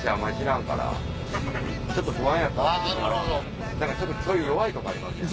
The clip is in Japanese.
何かちょっとそういう弱いとこありますやん。